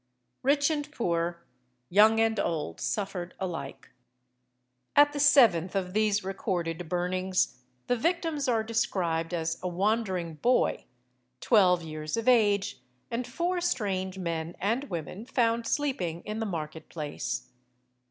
Rich and poor, young and old, suffered alike. At the seventh of these recorded burnings, the victims are described as a wandering boy, twelve years of age, and four strange men and women found sleeping in the market place.